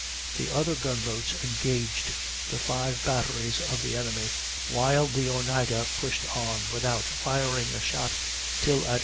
The other gun boats engaged the five batteries of the enemy, while the Oneida pushed on without firing a shot till at 3.